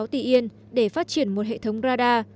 một mươi chín sáu tỷ yên để phát triển một hệ thống radar